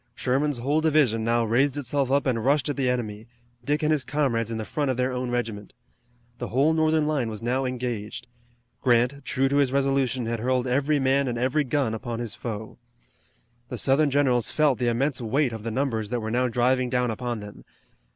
Sherman's whole division now raised itself up and rushed at the enemy, Dick and his comrades in the front of their own regiment. The whole Northern line was now engaged. Grant, true to his resolution, had hurled every man and every gun upon his foe. The Southern generals felt the immense weight of the numbers that were now driving down upon them.